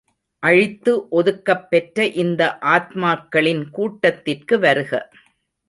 அழித்து ஒதுக்கப் பெற்ற இந்த ஆத்மாக்களின் கூட்டத்திற்கு வருக!